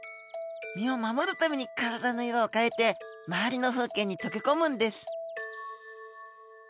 身を守るために体の色を変えて周りの風景に溶け込むんです。